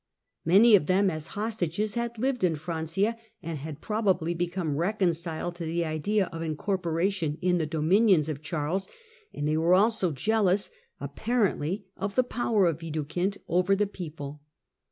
Many of them, as hostages, had lived in Francia, and had pro bably become reconciled to the idea of incorporation in the dominions of Charles ; and they were also jealous, apparently, of the power of Widukind over the people.